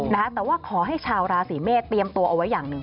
แต่ว่าขอให้ชาวราศีเมษเตรียมตัวเอาไว้อย่างหนึ่ง